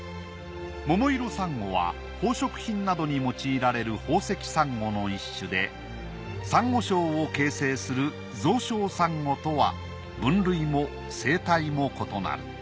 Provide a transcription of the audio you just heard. モモイロサンゴは宝飾品などに用いられる宝石サンゴの一種でサンゴ礁を形成する造礁サンゴとは分類も生態も異なる。